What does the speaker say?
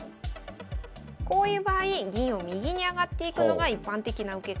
こういう場合銀を右に上がっていくのが一般的な受け方。